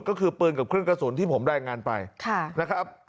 ก็คือปืนกับเครื่องกระสุนที่ผมรายงานไปนะครับ